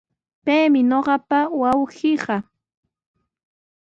Paymi ñuqapa wawqiiqa.